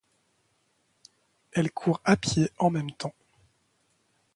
Elle court à pieds en même temps.